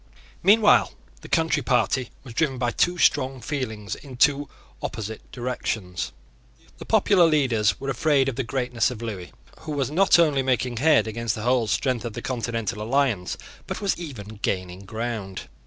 Meanwhile the Country Party was driven by two strong feelings in two opposite directions. The popular leaders were afraid of the greatness of Lewis, who was not only making head against the whole strength of the continental alliance, but was even gaining ground.